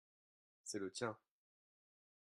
c'est le tien.